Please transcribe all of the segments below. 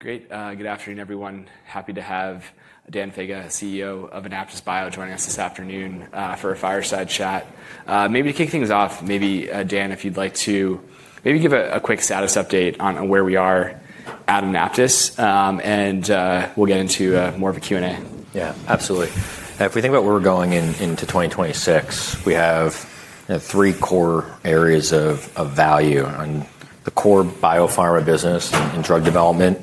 Great. Good afternoon, everyone. Happy to have Dan Faga, CEO of AnaptysBio, joining us this afternoon for a fireside chat. Maybe to kick things off, maybe Dan, if you'd like to maybe give a quick status update on where we are at Anaptys, and we'll get into more of a Q&A. Yeah, absolutely. If we think about where we're going into 2026, we have three core areas of value in the core biopharma business and drug development.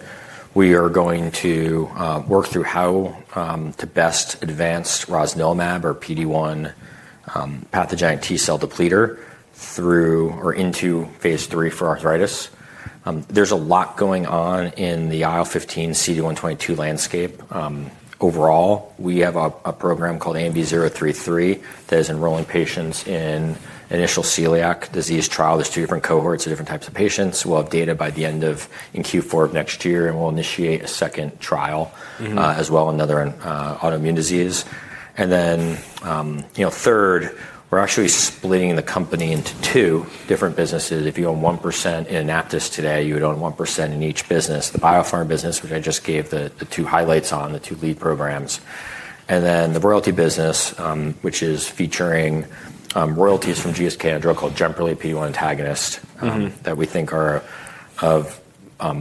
We are going to work through how to best advance rosnilimab, our PD-1 pathogenic T-cell depleter, through or into phase three for arthritis. There's a lot going on in the IL-15, CD122 landscape. Overall, we have a program called ANB033 that is enrolling patients in initial celiac disease trials. There's two different cohorts of different types of patients. We'll have data by the end of Q4 of next year, and we'll initiate a second trial as well, another on autoimmune disease. Then third, we're actually splitting the company into two different businesses. If you own 1% in Anaptys today, you would own 1% in each business, the biopharma business, which I just gave the two highlights on, the two lead programs. And then the royalty business, which is featuring royalties from GSK on a drug called Jemperli PD-1 antagonist that we think are of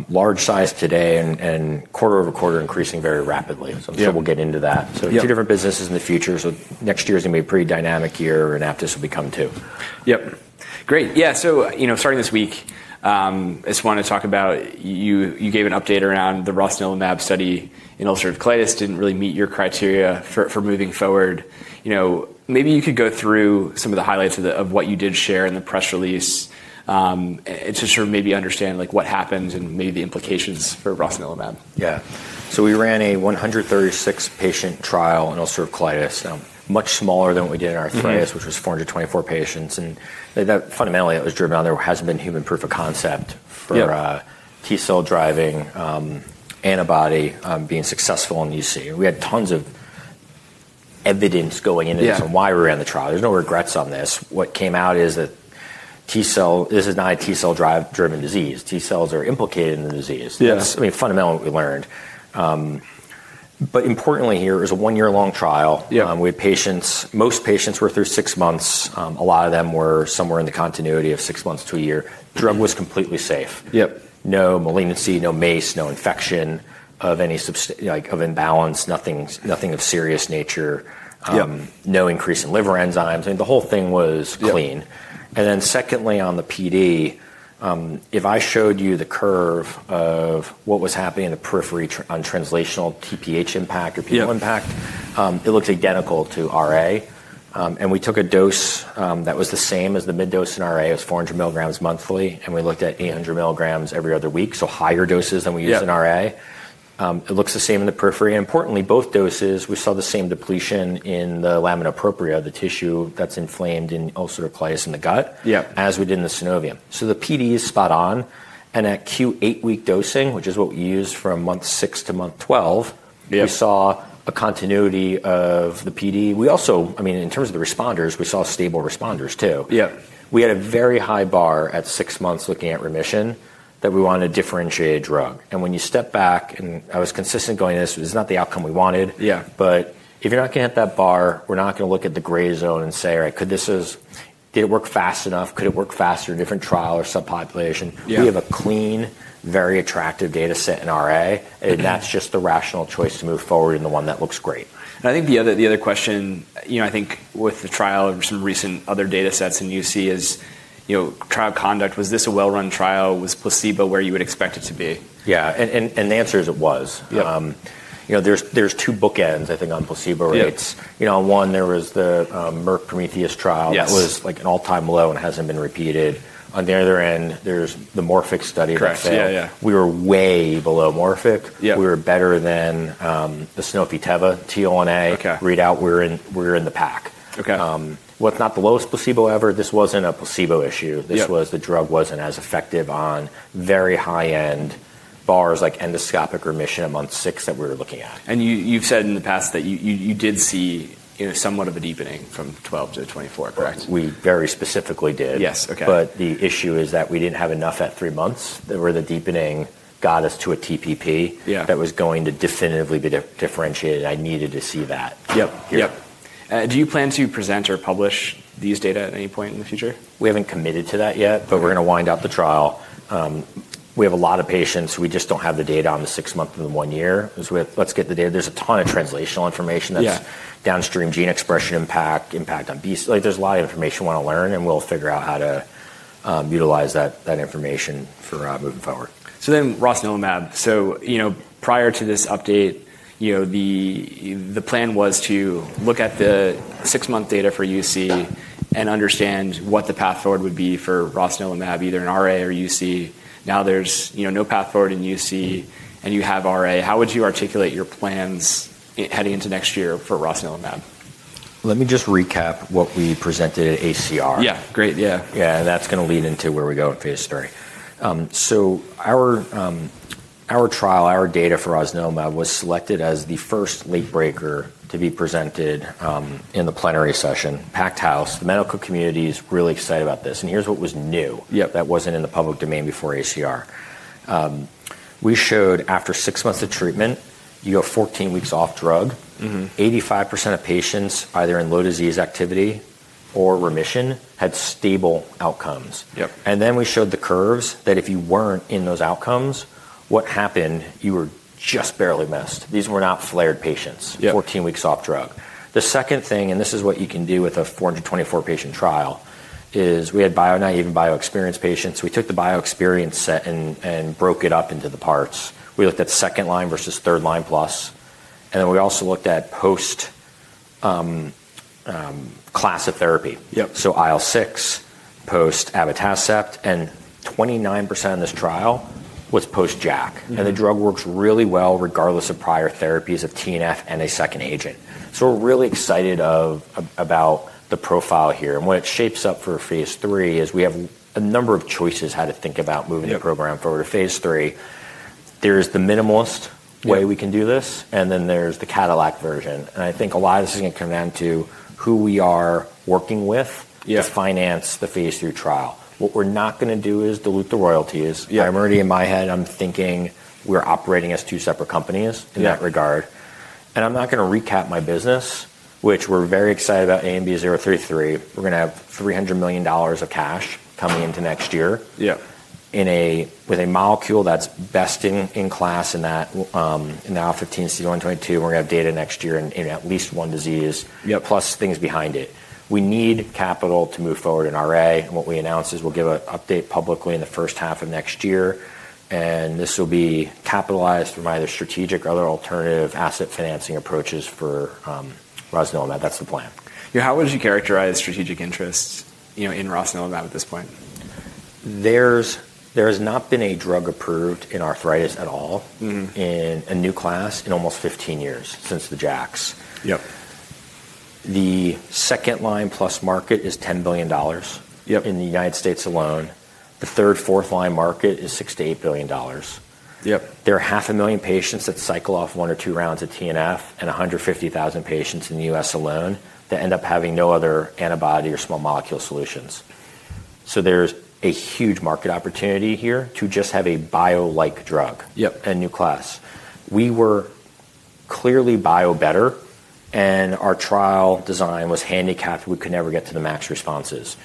large size today and quarter over quarter increasing very rapidly. We will get into that. Two different businesses in the future. Next year is going to be a pretty dynamic year where Anaptys will become two. Yep. Great. Yeah. Starting this week, I just wanted to talk about you gave an update around the rosnilimab study in ulcerative colitis did not really meet your criteria for moving forward. Maybe you could go through some of the highlights of what you did share in the press release to sort of maybe understand what happened and maybe the implications for rosnilimab. Yeah. We ran a 136-patient trial in ulcerative colitis, much smaller than what we did in arthritis, which was 424 patients. Fundamentally, it was driven on there hasn't been human proof of concept for T-cell driving antibody being successful in UC. We had tons of evidence going into this and why we ran the trial. There's no regrets on this. What came out is that T-cell, this is not a T-cell drive-driven disease. T-cells are implicated in the disease. That's fundamentally what we learned. Importantly here, it was a one-year-long trial. Most patients were through six months. A lot of them were somewhere in the continuity of six months to a year. Drug was completely safe. No malignancy, no MACE, no infection of any imbalance, nothing of serious nature, no increase in liver enzymes. I mean, the whole thing was clean. Then secondly, on the PD, if I showed you the curve of what was happening in the periphery on translational TPH impact or PD-1 impact, it looks identical to RA. We took a dose that was the same as the mid-dose in RA. It was 400 milligrams monthly, and we looked at 800 milligrams every other week, so higher doses than we use in RA. It looks the same in the periphery. Importantly, both doses, we saw the same depletion in the lamina propria, the tissue that's inflamed in ulcerative colitis in the gut, as we did in the synovium. The PD is spot on. At Q8 week dosing, which is what we used from month six to month 12, we saw a continuity of the PD. We also, I mean, in terms of the responders, we saw stable responders too. We had a very high bar at six months looking at remission that we wanted a differentiated drug. When you step back, and I was consistent going to this, it's not the outcome we wanted. If you're not going to hit that bar, we're not going to look at the gray zone and say, all right, could this did it work fast enough? Could it work faster in a different trial or subpopulation? We have a clean, very attractive data set in RA, and that's just the rational choice to move forward in the one that looks great. I think the other question, I think with the trial and some recent other data sets in UC is trial conduct, was this a well-run trial? Was placebo where you would expect it to be? Yeah. The answer is it was. There are two bookends, I think, on placebo. On one, there was the Merck Prometheus trial. That was like an all-time low and has not been repeated. On the other end, there is the Morphic study that said we were way below Morphic. We were better than the Sanofi, Teva, TL1A readout. We were in the pack. It is not the lowest placebo ever. This was not a placebo issue. This was the drug was not as effective on very high-end bars like endoscopic remission in month six that we were looking at. You have said in the past that you did see somewhat of a deepening from 12 to 24, correct? We very specifically did. The issue is that we did not have enough at three months where the deepening got us to a TPP that was going to definitively be differentiated. I needed to see that. Yep. Do you plan to present or publish these data at any point in the future? We haven't committed to that yet, but we're going to wind up the trial. We have a lot of patients. We just don't have the data on the six-month and the one year. Let's get the data. There's a ton of translational information that's downstream gene expression impact, impact on BC, like there's a lot of information we want to learn, and we'll figure out how to utilize that information for moving forward. Rosnilimab, so prior to this update, the plan was to look at the six-month data for UC and understand what the path forward would be for rosnilimab, either in RA or UC. Now there's no path forward in UC, and you have RA. How would you articulate your plans heading into next year for rosnilimab? Let me just recap what we presented at ACR. Yeah. Great. Yeah. Yeah. That is going to lead into where we go in phase III. Our trial, our data for rosnilimab was selected as the first late breaker to be presented in the plenary session, packed house. The medical community is really excited about this. Here is what was new that was not in the public domain before ACR. We showed after six months of treatment, you have 14 weeks off drug, 85% of patients either in low disease activity or remission had stable outcomes. We showed the curves that if you were not in those outcomes, what happened, you were just barely missed. These were not flared patients, 14 weeks off drug. The second thing, and this is what you can do with a 424-patient trial, is we had bio-naive and bio-experienced patients. We took the bio-experienced set and broke it up into the parts. We looked at second line versus third line plus. We also looked at post-class of therapy. So IL-6, post-abatacept, and 29% of this trial was post-JAK. The drug works really well regardless of prior therapies of TNF and a second agent. We are really excited about the profile here. What it shapes up for phase three is we have a number of choices how to think about moving the program forward to phase three. There is the minimalist way we can do this, and then there is the Cadillac version. I think a lot of this is going to come down to who we are working with to finance the phase three trial. What we are not going to do is dilute the royalties. Primarily, in my head, I am thinking we are operating as two separate companies in that regard. I'm not going to recap my business, which we're very excited about ANB033. We're going to have $300 million of cash coming into next year with a molecule that's best in class in the IL-15, CD122. We're going to have data next year in at least one disease, plus things behind it. We need capital to move forward in RA. What we announced is we'll give an update publicly in the first half of next year. This will be capitalized from either strategic or other alternative asset financing approaches for rosnilimab. That's the plan. How would you characterize strategic interest in rosnilimab at this point? There has not been a drug approved in arthritis at all in a new class in almost 15 years since the JAKs. The second line plus market is $10 billion in the U.S. alone. The third, fourth line market is $6-$8 billion. There are 500,000 patients that cycle off one or two rounds of TNF and 150,000 patients in the U.S. alone that end up having no other antibody or small molecule solutions. There is a huge market opportunity here to just have a bio-like drug in a new class. We were clearly bio better, and our trial design was handicapped. We could never get to the max responses.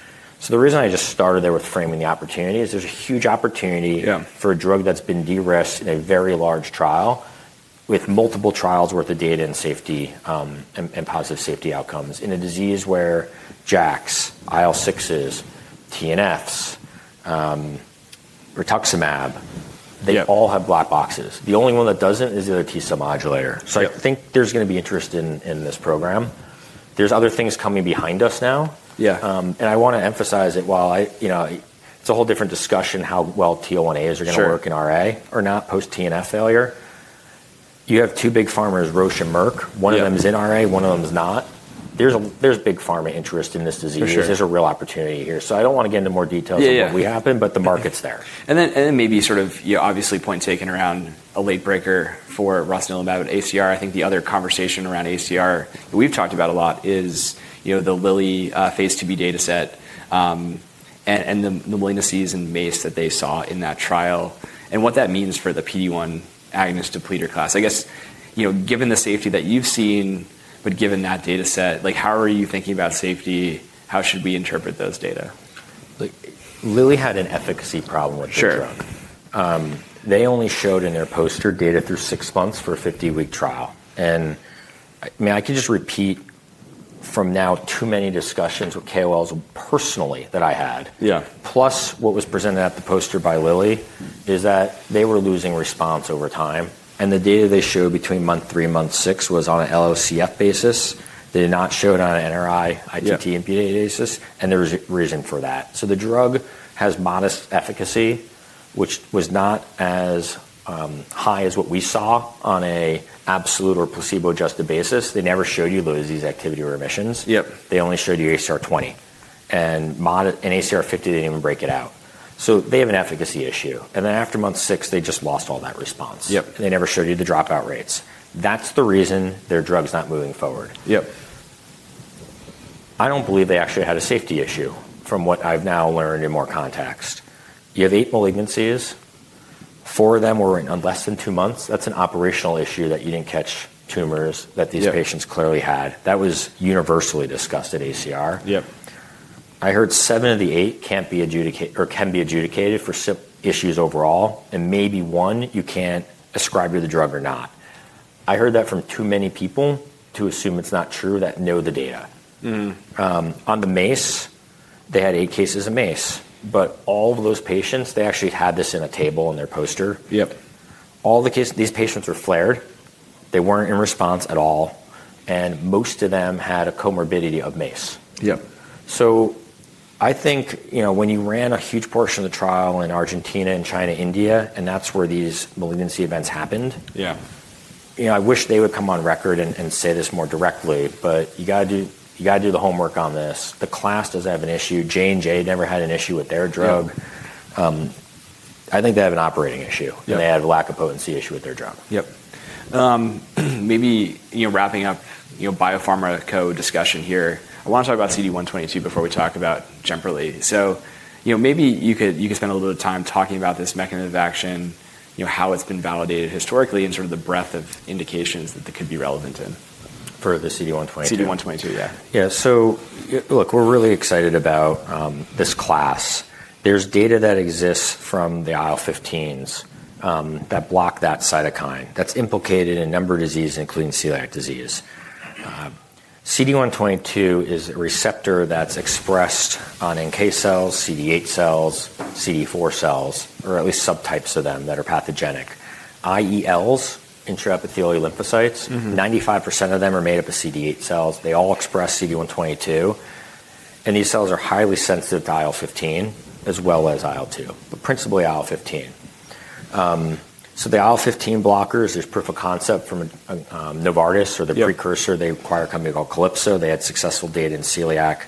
The reason I just started there with framing the opportunity is there's a huge opportunity for a drug that's been de-risked in a very large trial with multiple trials worth of data and safety and positive safety outcomes in a disease where JAKs, IL-6s, TNFs, rituximab, they all have black boxes. The only one that doesn't is the other T-cell modulator. I think there's going to be interest in this program. There's other things coming behind us now. I want to emphasize it while it's a whole different discussion how well TL1As are going to work in RA or not post-TNF failure. You have two big pharmas, Roche and Merck. One of them is in RA. One of them is not. There's big pharma interest in this disease. There's a real opportunity here. I don't want to get into more details of what happened, but the market's there. Maybe sort of obviously, point taken around a late breaker for rosnilimab at ACR. I think the other conversation around ACR that we've talked about a lot is the Lilly phase II-B data set and the malignancies and MACE that they saw in that trial and what that means for the PD-1 agonist depleter class. I guess given the safety that you've seen, but given that data set, how are you thinking about safety? How should we interpret those data? Lilly had an efficacy problem with the drug. They only showed in their poster data through six months for a 50-week trial. I mean, I could just repeat from now too many discussions with KOLs personally that I had. Plus what was presented at the poster by Lilly is that they were losing response over time. The data they showed between month three, month six was on an LOCF basis. They did not show it on an NRI, ITT, and PDA basis. There was a reason for that. The drug has modest efficacy, which was not as high as what we saw on an absolute or placebo-adjusted basis. They never showed you low disease activity or remissions. They only showed you ACR20. In ACR50, they did not even break it out. They have an efficacy issue. After month six, they just lost all that response. They never showed you the dropout rates. That's the reason their drug's not moving forward. I don't believe they actually had a safety issue from what I've now learned in more context. You have eight malignancies. Four of them were in less than two months. That's an operational issue that you didn't catch tumors that these patients clearly had. That was universally discussed at ACR. I heard seven of the eight can be adjudicated for issues overall. And maybe one you can't ascribe to the drug or not. I heard that from too many people to assume it's not true that know the data. On the MACE, they had eight cases of MACE. All of those patients, they actually had this in a table on their poster. All these patients were flared. They weren't in response at all. Most of them had a comorbidity of MACE. I think when you ran a huge portion of the trial in Argentina, China, and India, and that's where these malignancy events happened, I wish they would come on record and say this more directly, but you got to do the homework on this. The class doesn't have an issue. Johnson & Johnson never had an issue with their drug. I think they have an operating issue. They have a lack of potency issue with their drug. Yep. Maybe wrapping up biopharma co-discussion here, I want to talk about CD122 before we talk about Jemperli. Maybe you could spend a little bit of time talking about this mechanism of action, how it's been validated historically, and sort of the breadth of indications that it could be relevant in. For the CD122? CD122, yeah. Yeah. So look, we're really excited about this class. There's data that exists from the IL-15s that block that cytokine that's implicated in a number of diseases, including celiac disease. CD122 is a receptor that's expressed on NK cells, CD8 cells, CD4 cells, or at least subtypes of them that are pathogenic. IELs, intraepithelial lymphocytes, 95% of them are made up of CD8 cells. They all express CD122. These cells are highly sensitive to IL-15 as well as IL-2, but principally IL-15. The IL-15 blockers, there's proof of concept from Novartis or the precursor. They acquired a company called Calypso. They had successful data in celiac.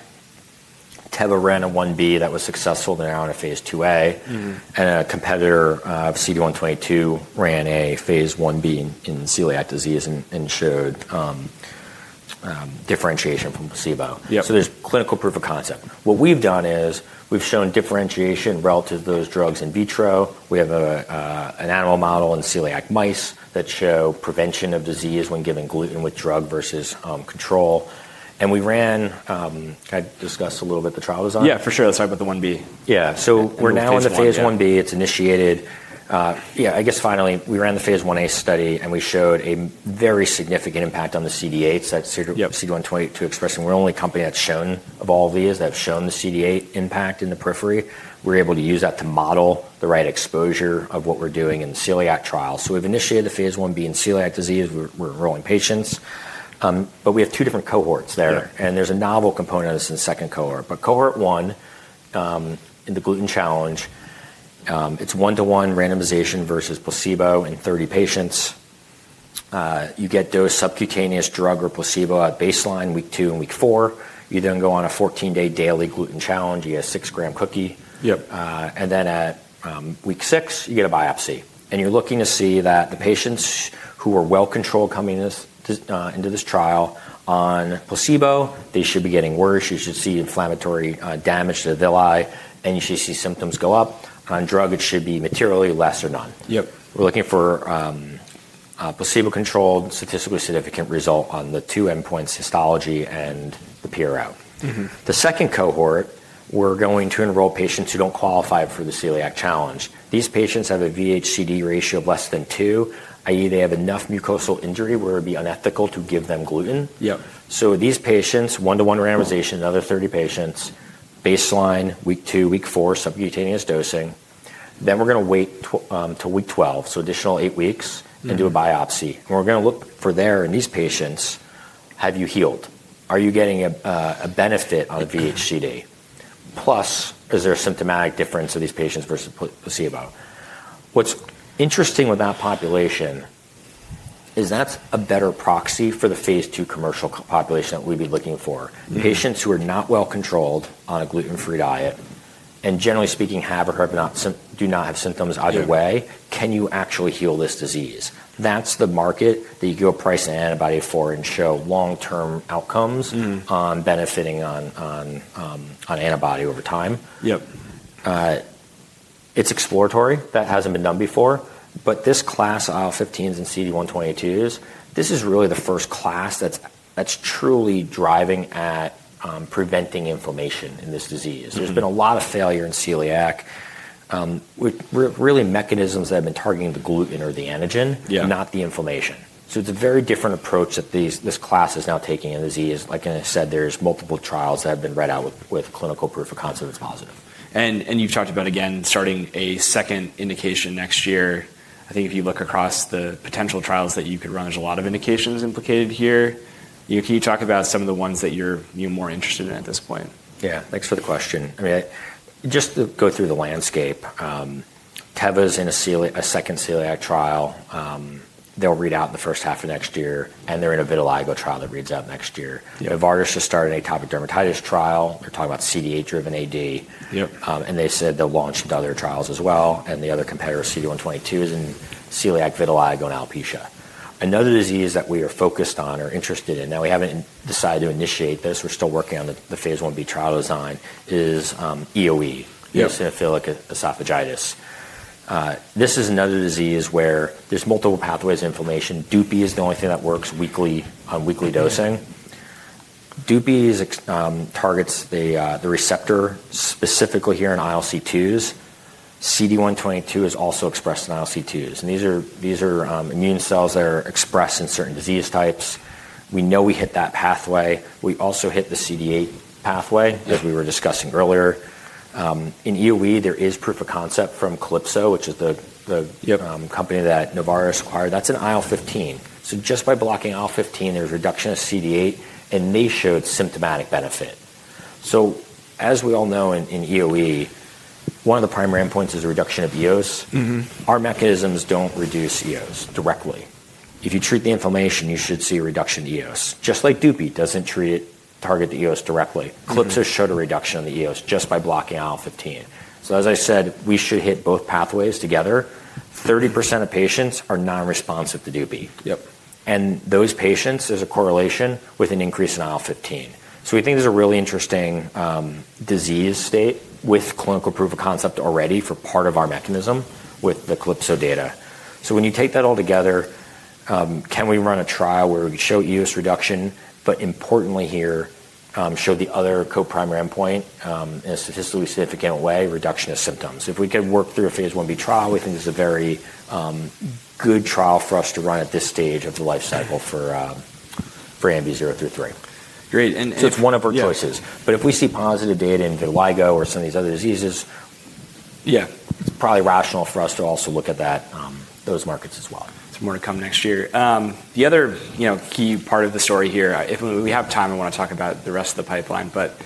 Teva ran a III-B that was successful, they're now in a phase II-A. A competitor of CD122 ran a phase I-B in celiac disease and showed differentiation from placebo. There's clinical proof of concept. What we've done is we've shown differentiation relative to those drugs in vitro. We have an animal model in celiac mice that show prevention of disease when given gluten with drug versus control. We ran, I discussed a little bit the trial design. Yeah, for sure. Let's talk about the I-B. Yeah. So we're now in the phase I-B. It's initiated. Yeah, I guess finally, we ran the phase I-A study, and we showed a very significant impact on the CD8s that CD122 expressing. We're the only company that's shown of all these that have shown the CD8 impact in the periphery. We're able to use that to model the right exposure of what we're doing in the celiac trial. We've initiated the phase I-B in celiac disease. We're enrolling patients. We have two different cohorts there. There's a novel component of this in the second cohort. Cohort one in the gluten challenge, it's one-to-one randomization versus placebo in 30 patients. You get dose subcutaneous drug or placebo at baseline, week two and week four. You then go on a 14-day daily gluten challenge. You get a 6-gram cookie. At week six, you get a biopsy. You are looking to see that the patients who are well-controlled coming into this trial on placebo should be getting worse. You should see inflammatory damage to the villi, and you should see symptoms go up. On drug, it should be materially less or none. We are looking for a placebo-controlled, statistically significant result on the two endpoints, histology and the PRL. The second cohort, we are going to enroll patients who do not qualify for the celiac challenge. These patients have a Vh:Cd ratio of less than two, i.e., they have enough mucosal injury where it would be unethical to give them gluten. These patients, one-to-one randomization, another 30 patients, baseline, week two, week four, subcutaneous dosing. We are going to wait till week 12, so additional eight weeks, and do a biopsy. We're going to look for there in these patients, have you healed? Are you getting a benefit on the Vh:Cd? Plus, is there a symptomatic difference of these patients versus placebo? What's interesting with that population is that's a better proxy for the phase two commercial population that we'd be looking for. Patients who are not well-controlled on a gluten-free diet and generally speaking have or do not have symptoms either way, can you actually heal this disease? That's the market that you can go price an antibody for and show long-term outcomes on benefiting on antibody over time. It's exploratory. That hasn't been done before. This class, IL-15s and CD122s, this is really the first class that's truly driving at preventing inflammation in this disease. There's been a lot of failure in celiac, really mechanisms that have been targeting the gluten or the antigen, not the inflammation. It's a very different approach that this class is now taking in disease. Like I said, there's multiple trials that have been read out with clinical proof of concept that's positive. You've talked about, again, starting a second indication next year. I think if you look across the potential trials that you could run, there's a lot of indications implicated here. Can you talk about some of the ones that you're more interested in at this point? Yeah. Thanks for the question. I mean, just to go through the landscape, Teva is in a second celiac trial. They'll read out in the first half of next year. And they're in a vitiligo trial that reads out next year. Novartis just started an atopic dermatitis trial. They're talking about CD8-driven AD. And they said they'll launch into other trials as well. And the other competitor, CD122, is in celiac, vitiligo, and alopecia. Another disease that we are focused on or interested in, now we haven't decided to initiate this. We're still working on the phase I-B trial design, is EoE, eosinophilic esophagitis. This is another disease where there's multiple pathways of inflammation. DupI is the only thing that works on weekly dosing. Dupi targets the receptor specifically here in ILC2s. CD122 is also expressed in ILC2s. These are immune cells that are expressed in certain disease types. We know we hit that pathway. We also hit the CD8 pathway, as we were discussing earlier. In EoE, there is proof of concept from Calypso, which is the company that Novartis acquired. That is in IL-15. Just by blocking IL-15, there is reduction of CD8, and they showed symptomatic benefit. As we all know in EoE, one of the primary endpoints is reduction of EOs. Our mechanisms do not reduce EOs directly. If you treat the inflammation, you should see a reduction in EOs. Just like Dupi does not target the EOs directly. Calypso showed a reduction in the EOs just by blocking IL-15. As I said, we should hit both pathways together. 30% of patients are non-responsive to Dupi. In those patients, there is a correlation with an increase in IL-15. We think there's a really interesting disease state with clinical proof of concept already for part of our mechanism with the Calypso data. When you take that all together, can we run a trial where we show EOs reduction, but importantly here, show the other co-primary endpoint in a statistically significant way, reduction of symptoms? If we could work through a phase I-B trial, we think it's a very good trial for us to run at this stage of the life cycle for ANB033. It's one of our choices. If we see positive data in vitiligo or some of these other diseases, it's probably rational for us to also look at those markets as well. It's more to come next year. The other key part of the story here, if we have time, I want to talk about the rest of the pipeline, but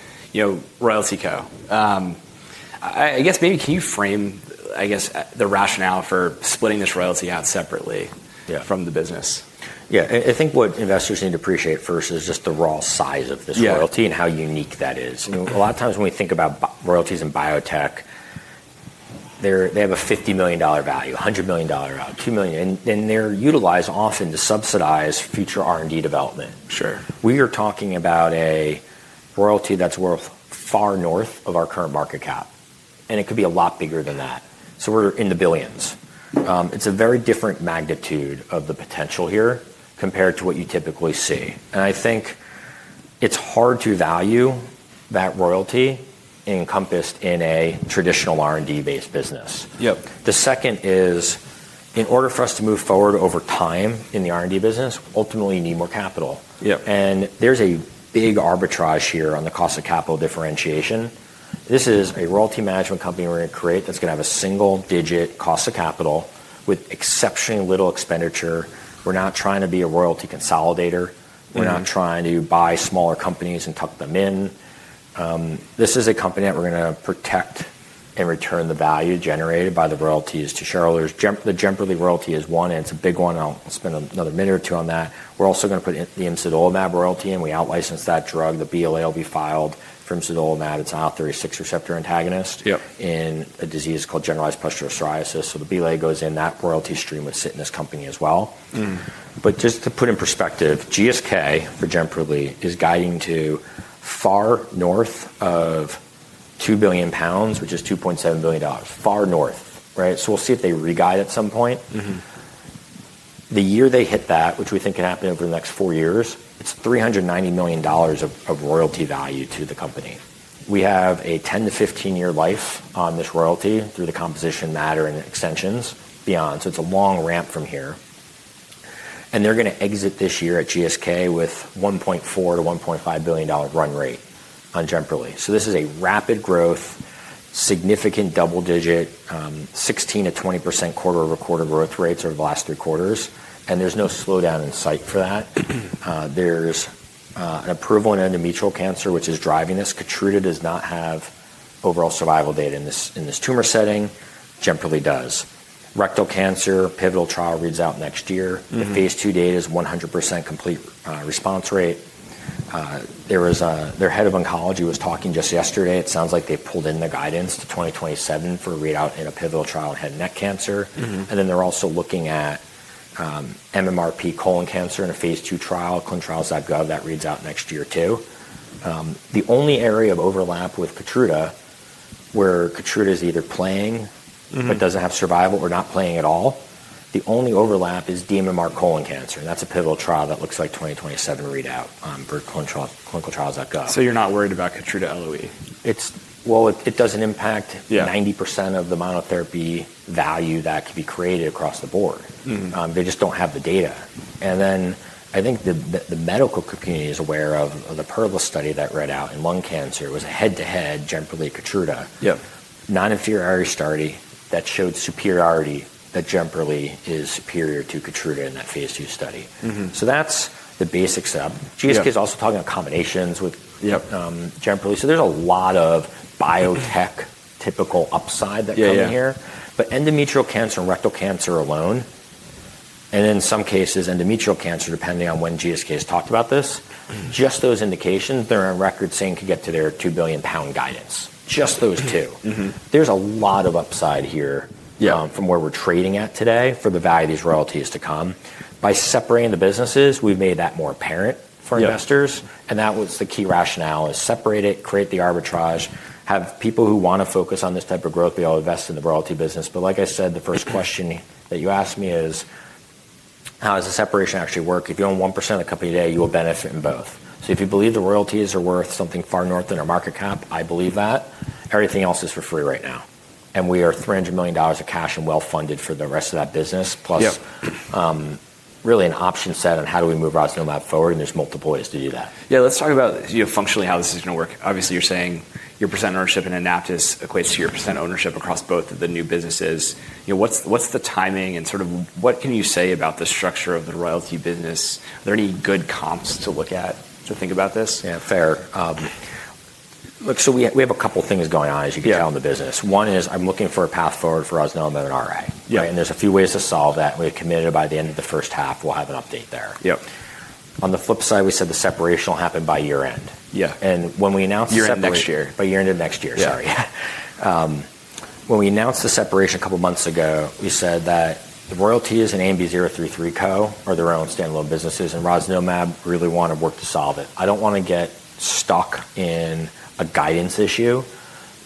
royalty co. I guess maybe can you frame, I guess, the rationale for splitting this royalty out separately from the business? Yeah. I think what investors need to appreciate first is just the raw size of this royalty and how unique that is. A lot of times when we think about royalties in biotech, they have a $50 million value, $100 million value, $2 million. And they're utilized often to subsidize future R&D development. We are talking about a royalty that's worth far north of our current market cap. It could be a lot bigger than that. We are in the billions. It's a very different magnitude of the potential here compared to what you typically see. I think it's hard to value that royalty encompassed in a traditional R&D-based business. The second is, in order for us to move forward over time in the R&D business, ultimately you need more capital. There's a big arbitrage here on the cost of capital differentiation. This is a royalty management company we're going to create that's going to have a single-digit cost of capital with exceptionally little expenditure. We're not trying to be a royalty consolidator. We're not trying to buy smaller companies and tuck them in. This is a company that we're going to protect and return the value generated by the royalties to shareholders. The Jemperli royalty is one, and it's a big one. I'll spend another minute or two on that. We're also going to put the Emsidolamab royalty in. We outlicense that drug. The BLA will be filed from Imsidolamab. It's an IL-36 receptor antagonist in a disease called generalized pustular psoriasis. The BLA goes in that royalty stream with Cytonus company as well. Just to put in perspective, GSK for Jemperli is guiding to far north of 2 billion pounds, which is $2.7 billion. Far north, right? We'll see if they re-guide at some point. The year they hit that, which we think could happen over the next four years, it's $390 million of royalty value to the company. We have a 10-15 year life on this royalty through the composition, matter, and extensions beyond. It is a long ramp from here. They're going to exit this year at GSK with $1.4 billion-$1.5 billion run rate on Jemperli. This is rapid growth, significant double-digit, 16%-20% quarter-over-quarter growth rates over the last three quarters. There's no slowdown in sight for that. There's an approval in endometrial cancer, which is driving this. Keytruda does not have overall survival data in this tumor setting. Jemperli does. Rectal cancer, pivotal trial reads out next year. The phase two data is 100% complete response rate. Their head of oncology was talking just yesterday. It sounds like they pulled in the guidance to 2027 for a readout in a pivotal trial in head and neck cancer. They are also looking at MMRP colon cancer in a phase II trial, clinicaltrials.gov, that reads out next year too. The only area of overlap with Keytruda where Keytruda is either playing but does not have survival or not playing at all, the only overlap is DMMR colon cancer. That is a pivotal trial that looks like 2027 readout for clinicaltrials.gov. You're not worried about Keytruda LOE? It does not impact 90% of the monotherapy value that could be created across the board. They just do not have the data. I think the medical community is aware of the perilous study that read out in lung cancer. It was a head-to-head Jemperli-Keytruda, non-inferiority that showed superiority, that Jemperli is superior to Keytruda in that phase two study. That is the basic setup. GSK is also talking about combinations with Jemperli. There is a lot of biotech typical upside that come in here. Endometrial cancer and rectal cancer alone, and in some cases endometrial cancer, depending on when GSK has talked about this, just those indications, there are records saying it could get to their 2 billion pound guidance. Just those two. There is a lot of upside here from where we are trading at today for the value of these royalties to come. By separating the businesses, we've made that more apparent for investors. That was the key rationale: separate it, create the arbitrage, have people who want to focus on this type of growth. We all invest in the royalty business. Like I said, the first question that you asked me is, how does the separation actually work? If you own 1% of the company today, you will benefit in both. If you believe the royalties are worth something far north of their market cap, I believe that. Everything else is for free right now. We are $300 million of cash and well-funded for the rest of that business, plus really an option set on how do we move our optional map forward. There are multiple ways to do that. Yeah. Let's talk about functionally how this is going to work. Obviously, you're saying your % ownership in Anaptys equates to your % ownership across both of the new businesses. What's the timing and sort of what can you say about the structure of the royalty business? Are there any good comps to look at to think about this? Yeah. Fair. Look, so we have a couple of things going on, as you can tell in the business. One is I'm looking for a path forward for rosnilimab in RA. And there's a few ways to solve that. We're committed by the end of the first half. We'll have an update there. On the flip side, we said the separation will happen by year-end. When we announced the separation. Year-end next year. By year-end of next year, sorry. When we announced the separation a couple of months ago, we said that the royalties and ANB033 co are their own standalone businesses. And rosnilimab really want to work to solve it. I don't want to get stuck in a guidance issue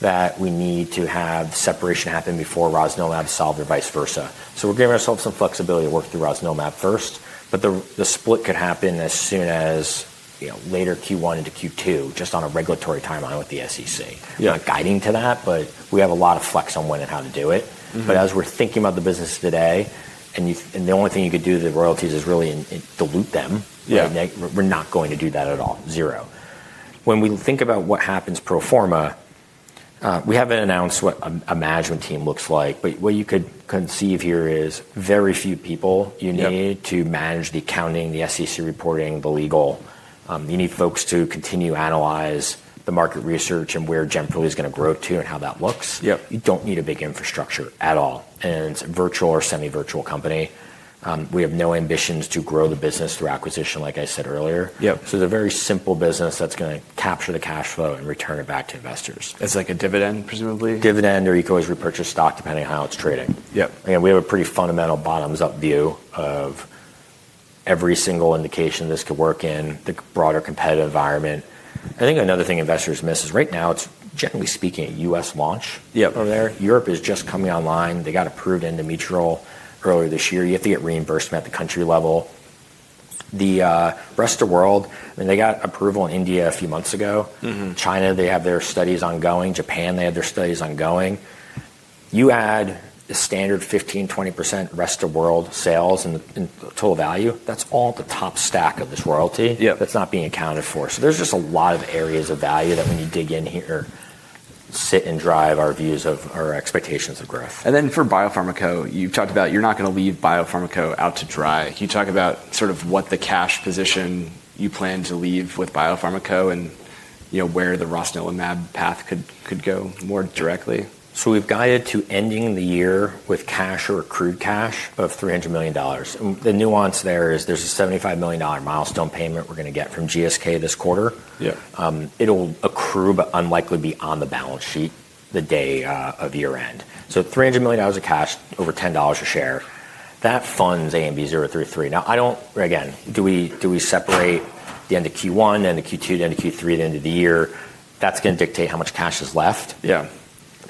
that we need to have separation happen before rosnilimab solves or vice versa. We are giving ourselves some flexibility to work through rosnilimab first. The split could happen as soon as later Q1 into Q2, just on a regulatory timeline with the SEC. We are not guiding to that, but we have a lot of flex on when and how to do it. As we are thinking about the business today, and the only thing you could do with the royalties is really dilute them. We are not going to do that at all, zero. When we think about what happens pro forma, we haven't announced what a management team looks like. What you could conceive here is very few people you need to manage the accounting, the SEC reporting, the legal. You need folks to continue to analyze the market research and where Jemperli is going to grow to and how that looks. You don't need a big infrastructure at all. It's a virtual or semi-virtual company. We have no ambitions to grow the business through acquisition, like I said earlier. It's a very simple business that's going to capture the cash flow and return it back to investors. It's like a dividend, presumably? Dividend or equally repurchased stock, depending on how it's trading. We have a pretty fundamental bottoms-up view of every single indication this could work in the broader competitive environment. I think another thing investors miss is right now, it's generally speaking a U.S. launch from there. Europe is just coming online. They got approved endometrial earlier this year. You have to get reimbursement at the country level. The rest of the world, I mean, they got approval in India a few months ago. China, they have their studies ongoing. Japan, they have their studies ongoing. You add the standard 15%-20% rest of world sales and total value, that's all the top stack of this royalty that's not being accounted for. There is just a lot of areas of value that when you dig in here, sit and drive our views of our expectations of growth. You've talked about you're not going to leave Biopharma Co out to dry. Can you talk about sort of what the cash position you plan to leave with Biopharma Co and where the rosnilimab path could go more directly? We've guided to ending the year with cash or accrued cash of $300 million. The nuance there is there's a $75 million milestone payment we're going to get from GSK this quarter. It'll accrue, but unlikely to be on the balance sheet the day of year-end. $300 million of cash, over $10 a share. That funds ANB033. Now, I don't, again, do we separate the end of Q1, the end of Q2, the end of Q3, the end of the year? That's going to dictate how much cash is left.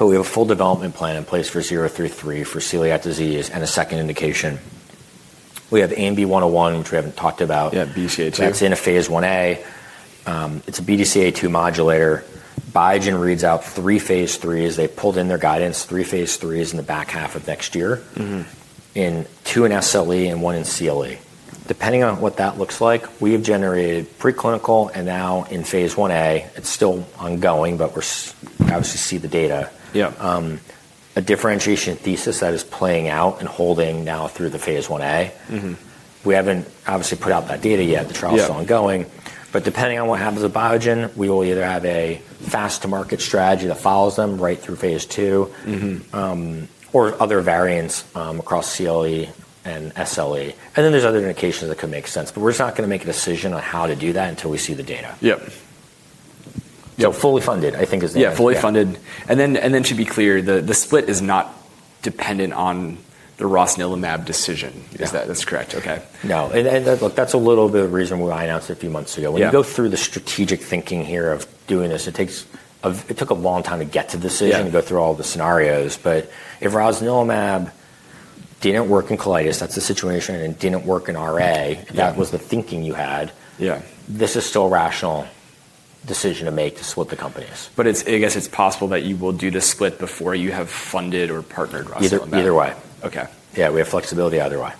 We have a full development plan in place for 033 for celiac disease and a second indication. We have ANB101, which we haven't talked about. Yeah, BCA2. That's in a phase I-A. It's a BDCA2 modulator. Biogen reads out three phase IIIs. They pulled in their guidance. Three phase IIIs in the back half of next year in two in SLE and one in CLE. Depending on what that looks like, we have generated preclinical and now in phase I-A. It's still ongoing, but we're obviously seeing the data. A differentiation thesis that is playing out and holding now through the phase one A. We haven't obviously put out that data yet. The trial is still ongoing. Depending on what happens with Biogen, we will either have a fast-to-market strategy that follows them right through phase two or other variants across CLE and SLE. There are other indications that could make sense. We're just not going to make a decision on how to do that until we see the data. Fully funded, I think, is the answer. Yeah, fully funded. And then to be clear, the split is not dependent on the rosnilimab decision. Is that correct? Okay. No. Look, that's a little bit of the reason why I announced it a few months ago. When you go through the strategic thinking here of doing this, it took a long time to get to the decision and go through all the scenarios. If rosnilimab didn't work in colitis, that's the situation, and if it didn't work in RA, that was the thinking you had, this is still a rational decision to make to split the companies. I guess it's possible that you will do the split before you have funded or partnered rosnilimab. Either way. Yeah, we have flexibility either way.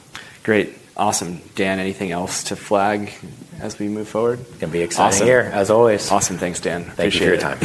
Great. Awesome. Dan, anything else to flag as we move forward? It's going to be exciting. Awesome. Here, as always. Awesome. Thanks, Dan. Thank you for your time.